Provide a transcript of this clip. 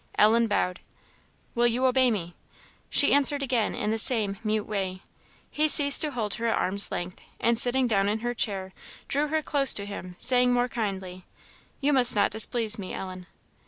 Ellen bowed. "Will you obey me?" She answered again in the same mute way. He ceased to hold her at arms length, and sitting down in her chair drew her close to him, saying more kindly "You must not displease me, Ellen."